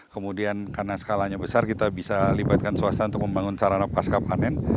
kemudian karena skalanya besar kita bisa libatkan swasta untuk membangun sarana pasca panen